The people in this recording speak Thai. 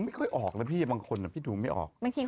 ฉันก็จะมีคนตอบไปให้คุณตอบอีก